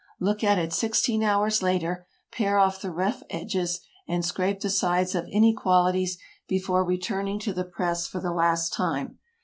Look at it sixteen hours later, pare off the rough edges, and scrape the sides of inequalities before returning to the press for the last time.